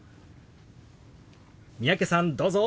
三宅さんどうぞ。